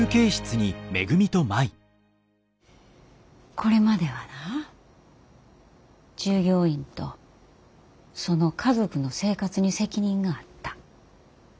これまではな従業員とその家族の生活に責任があった。